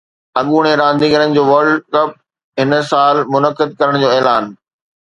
اڳوڻي رانديگرن جو ورلڊ ڪپ هن سال منعقد ڪرڻ جو اعلان